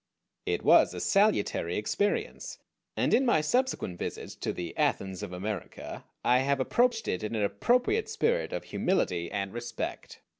It was a salutary experience, and in my subsequent visits to the Athens of America I have approached it in an appropriate spirit of humility and respect.